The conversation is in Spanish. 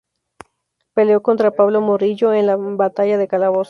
Peleó contra Pablo Morillo en la Batalla de Calabozo.